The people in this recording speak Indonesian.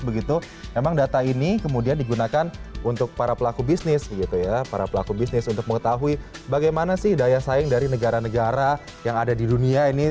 memang data ini kemudian digunakan untuk para pelaku bisnis untuk mengetahui bagaimana daya saing dari negara negara yang ada di dunia